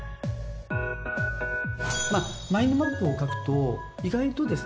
マインドマップを描くと意外とですね